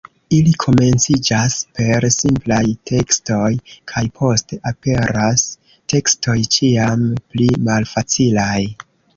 Ili komenciĝas per simplaj tekstoj kaj poste aperas tekstoj ĉiam pli malfacilaj.